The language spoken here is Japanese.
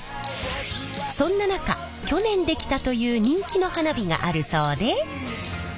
そんな中去年できたという人気の花火があるそうで。